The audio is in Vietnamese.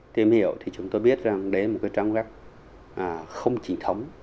tìm hiểu thì chúng tôi biết rằng đấy là một cái trang web không chính thống